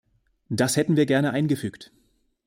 Das hätten wir gerne eingefügt.